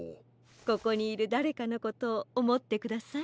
ここにいるだれかのことをおもってください。